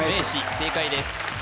正解です